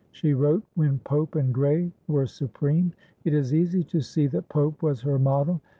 She wrote when Pope and Gray were supreme; it is easy to see that Pope was her model.